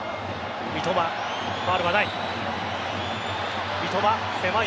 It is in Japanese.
三笘、ファウルはない。